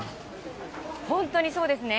本当にそうですね。